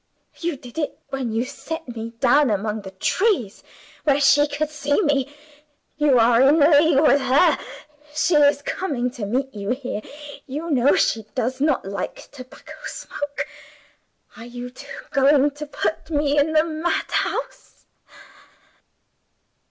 You did it when you set me down among the trees where she could see me! You are in league with her she is coming to meet you here you know she does not like tobacco smoke. Are you two going to put me in the madhouse?"